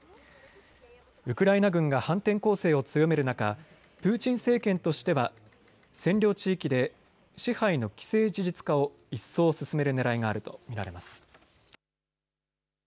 ウクライナ軍が反転攻勢を強める中プーチン政権としては占領地域で支配の既成事実化を一層進めるねらいがあると見られます。